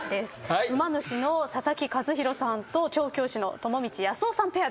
馬主の佐々木主浩さんと調教師の友道康夫さんペアです。